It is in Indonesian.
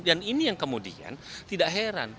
dan ini yang kemudian tidak heran